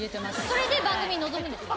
それで番組に臨むんです。